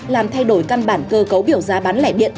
làm thay đổi căn bản cơ cấu biểu giá bán lẻ điện